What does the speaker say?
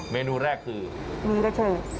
เมนูแรกคือมีกระเฉิด